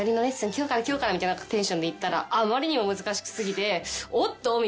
今日から今日からみたいなテンションで行ったらあまりにも難し過ぎておっと？みたいな。